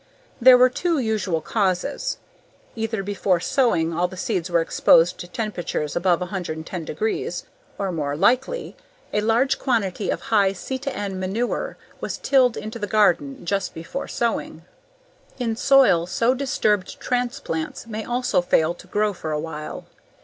There were two usual causes. Either before sowing all the seeds were exposed to temperatures above 110 degree or more likely, a large quantity of high C/N "manure" was tilled into the garden just before sowing. In soil so disturbed transplants may also fail to grow for awhile.